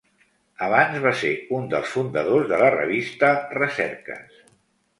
Abans va ser un dels fundadors de la revista Recerques.